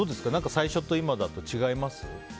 最初と今だと違います？